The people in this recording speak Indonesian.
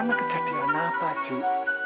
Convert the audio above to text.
apa kejadian apa cing